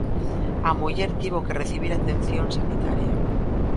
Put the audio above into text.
A muller tivo que recibir atención sanitaria.